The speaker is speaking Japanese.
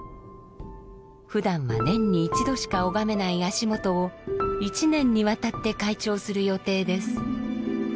ふだんは年に一度しか拝めない足元を一年にわたって開帳する予定です。